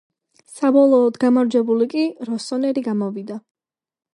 საბოლოოდ გამარჯვებული კი როსონერი გამოვიდა.